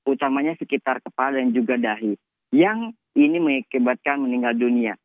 utamanya sekitar kepala dan juga dahi yang ini mengakibatkan meninggal dunia